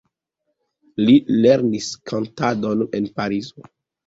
Li lernis kantadon en Parizo.